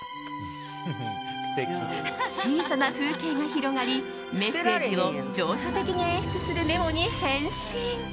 小さな風景が広がりメッセージを情緒的に演出するメモに変身。